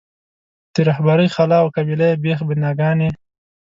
د رهبرۍ خلا او قبیله یي بېخ بناګانې.